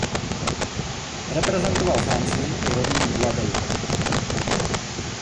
Reprezentoval Francii i rodný Guadeloupe.